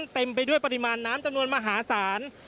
เต็มไปด้วยปริมาณน้ำจำนวนมหาศาล